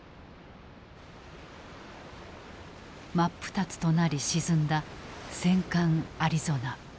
真っ二つとなり沈んだ戦艦アリゾナ。